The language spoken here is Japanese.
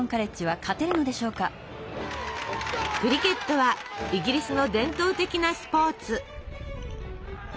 クリケットはイギリスの伝統的なスポーツ。